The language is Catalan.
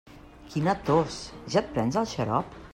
Quina tos, ja et prens el xarop?